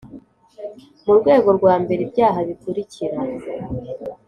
mu rwego rwa mbere ibyaha bikurikira